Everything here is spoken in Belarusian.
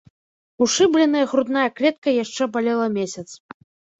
Ушыбленая грудная клетка яшчэ балела месяц.